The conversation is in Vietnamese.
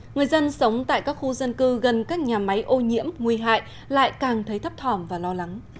người dân sống tại các khu dân cư gần các nhà máy ô nhiễm nguy hại lại càng thấy thấp thỏm và lo lắng